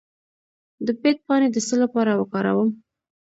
د بید پاڼې د څه لپاره وکاروم؟